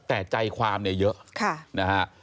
แต่ใจความเนี่ยเยอะ